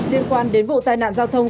liên quan đến vụ tai nạn giao thông